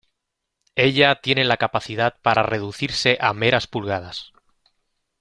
Ella tiene la capacidad para reducirse a meras pulgadas.